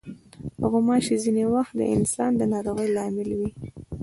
غوماشې ځینې وخت د انسان د ناروغۍ لامل وي.